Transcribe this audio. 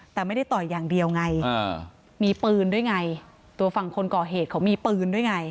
แต่ไม่ได้ต่อยอย่างเดียวไงมีปืนด้วยไงตัวฝั่งคนก่อเหตุเขามีปืนด้วยไง